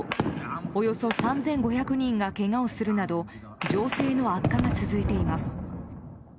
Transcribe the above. およそ３５００人がけがをするなど情勢の悪化が続いています。